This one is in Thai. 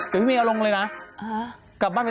เพียงดังหน่อย